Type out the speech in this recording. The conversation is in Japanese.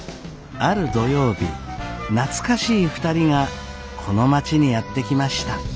ある土曜日懐かしい２人がこの町にやって来ました。